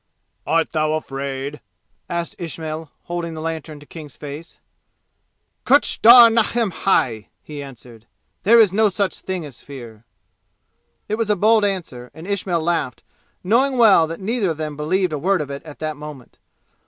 "Art thou afraid?" asked Ismail, holding the lantern to King's face. "Kuch dar nahin hai!" he answered. "There is no such thing as fear!" It was a bold answer, and Ismail laughed, knowing well that neither of them believed a word of it at that moment.